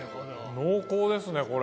濃厚ですねこれ。